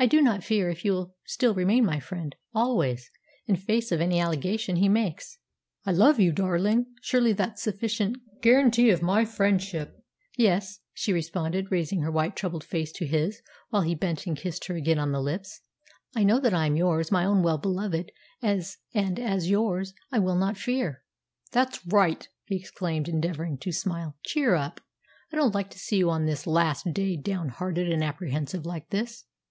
"I do not fear if you will still remain my friend always in face of any allegation he makes." "I love you, darling. Surely that's sufficient guarantee of my friendship?" "Yes," she responded, raising her white, troubled face to his while he bent and kissed her again on the lips. "I know that I am yours, my own well beloved; and, as yours, I will not fear." "That's right!" he exclaimed, endeavouring to smile. "Cheer up. I don't like to see you on this last day down hearted and apprehensive like this."